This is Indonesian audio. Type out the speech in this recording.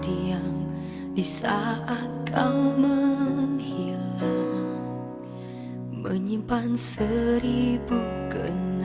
iya aku cintai dego